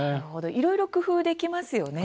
いろいろ工夫できますよね。